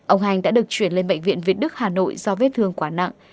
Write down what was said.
ông hanh đã được chuyển lên bệnh viện việt đức hà nội do vết thương quá nặng